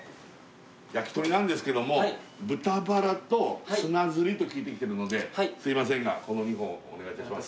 焼き鳥なんですけどもと聞いてきてるのですいませんがこの２本をお願いいたします